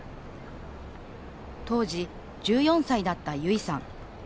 当時１４歳だった、ゆいさん。